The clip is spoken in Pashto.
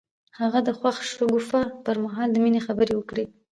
هغه د خوښ شګوفه پر مهال د مینې خبرې وکړې.